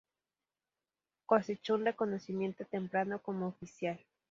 Cosechó un reconocimiento temprano como oficial.